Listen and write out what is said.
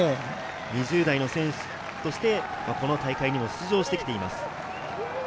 ２０代の選手としてこの大会にも出場してきています。